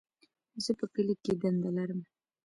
زه په کلي کي دنده لرم.